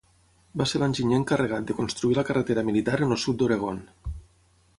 Va ser l'enginyer encarregat de construir la carretera militar en el sud d'Oregon.